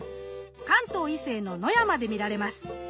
関東以西の野山で見られます。